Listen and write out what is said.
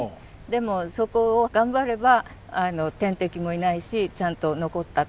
でもそこを頑張れば天敵もいないしちゃんと残ったってことですね。